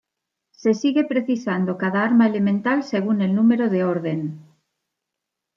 Se sigue precisando cada arma elemental según el número de orden.